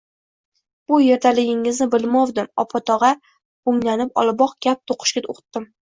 – Bu yerdaligingizni bilmovdim, opog‘ota, – o‘nglanib oliboq, gap to‘qishga o‘tdim